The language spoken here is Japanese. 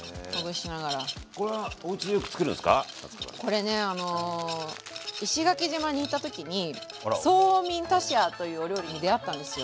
これね石垣島に行った時にソーミンタシヤーというお料理に出会ったんですよ。